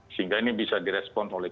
sehingga ini bisa di respons oleh